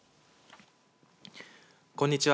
こんにちは。